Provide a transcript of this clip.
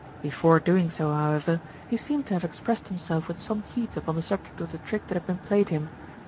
Before doing so, however, he seemed to have ex pressed himself with some heat upon the subject of the trick that had been played him.